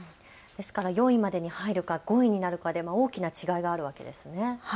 ですから４位までに入るか５位になるかで大きな違いがあるわけですね。